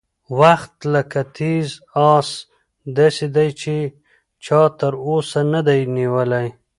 وخت لکه تېز اس داسې دی چې چا تر اوسه نه دی نیولی.